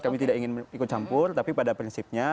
kami tidak ingin ikut campur tapi pada prinsipnya